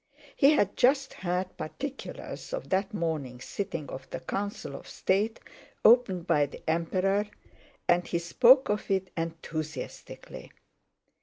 He had just heard particulars of that morning's sitting of the Council of State opened by the Emperor, and he spoke of it enthusiastically.